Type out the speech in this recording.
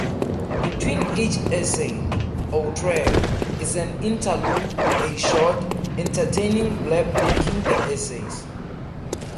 Between each essay, or track, is an "interlude"-a short, entertaining blurb linking the essays.